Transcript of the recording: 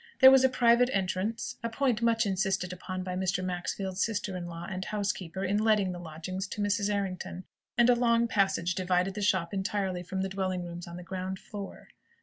There was a private entrance a point much insisted upon by Mr. Maxfield's sister in law and housekeeper in letting the lodgings to Mrs. Errington and a long passage divided the shop entirely from the dwelling rooms on the ground floor.